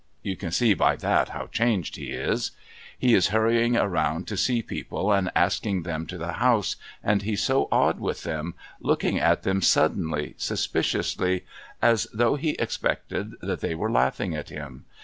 (You can see by that how changed he is.) He is hurrying round to see people and asking them to the house, and he's so odd with them, looking at them suddenly, suspiciously, as though he expected that they were laughing at him.